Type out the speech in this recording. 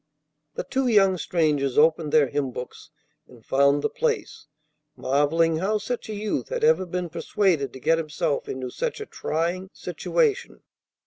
The two young strangers opened their hymn books and found the place, marvelling how such a youth had ever been persuaded to get himself into such a trying situation.